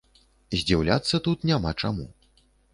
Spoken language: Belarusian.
Здзіўляцца тут няма чаму.